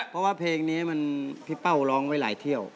เพราะว่าเพลงนี้มันพี่เป้าร้องไว้หลายเที่ยว